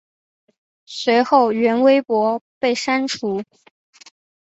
随后原微博被删除。